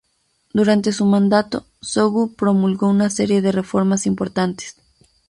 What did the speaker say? Durante su mandato, Zogu promulgó una serie de reformas importantes.